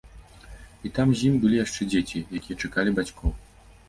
І там з ім былі яшчэ дзеці, якія чакалі бацькоў.